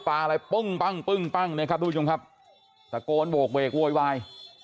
ปลาอะไรปุ้งปังปึ้งปังนะครับดูชมครับสะโกนบกเวกววยวาย